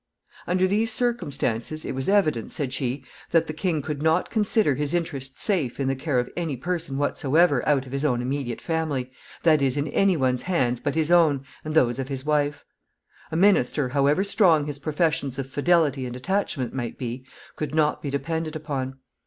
] Under these circumstances, it was evident, said she, that the king could not consider his interests safe in the care of any person whatsoever out of his own immediate family that is, in any one's hands but his own and those of his wife. A minister, however strong his professions of fidelity and attachment might be, could not be depended upon.